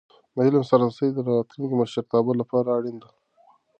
د علم لاسرسی د راتلونکي مشرتابه لپاره اړینه ده.